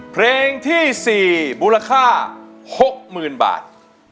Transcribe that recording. เพลงที่สี่บูรค่าหกหมื่นบาท